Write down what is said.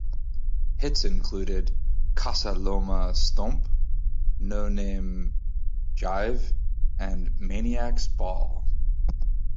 Hits included "Casa Loma Stomp," "No Name Jive" and "Maniac's Ball".